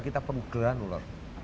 kita perlu granular